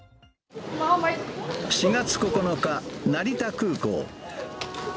４月９日、成田空港。